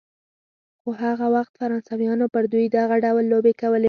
خو هغه وخت فرانسویانو پر دوی دغه ډول لوبې کولې.